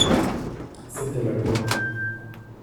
C'était la Loi.